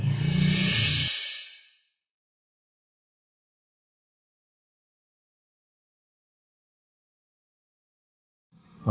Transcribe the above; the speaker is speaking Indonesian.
papa juga kangen sama keisha